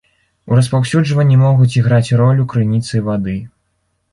У распаўсюджванні могуць іграць ролю крыніцы вады.